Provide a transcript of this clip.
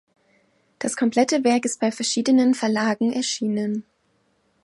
Das komplette Werk ist bei verschiedenen Verlagen erschienen.